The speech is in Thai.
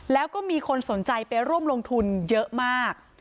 แล้วก็มีคนสนใจไปร่วมลงทุนเยอะมาก